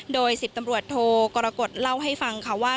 โดย๑๐ตำรวจโทกรกฎเล่าให้ฟังค่ะว่า